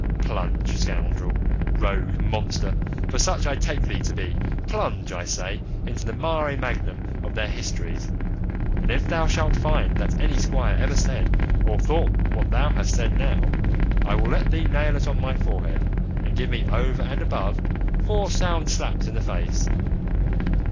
Plunge, scoundrel, rogue, monster for such I take thee to be plunge, I say, into the mare magnum of their histories; and if thou shalt find that any squire ever said or thought what thou hast said now, I will let thee nail it on my forehead, and give me, over and above, four sound slaps in the face.